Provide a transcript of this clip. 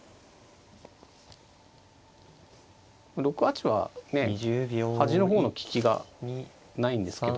６八は端の方の利きがないんですけど。